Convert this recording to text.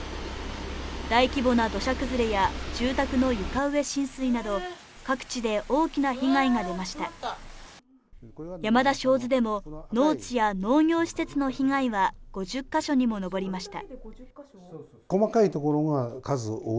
大規模な土砂崩れや住宅の床上浸水など各地で大きな被害が出ました山田清水でも農地や農業施設の被害は５０か所にも上りました